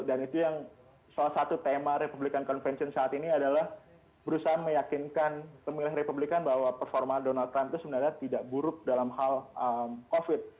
dan itu yang salah satu tema republikan konvensi saat ini adalah berusaha meyakinkan pemilih republikan bahwa performa donald trump itu sebenarnya tidak buruk dalam hal covid sembilan belas